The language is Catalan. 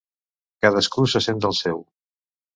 Cadascú se sent del seu.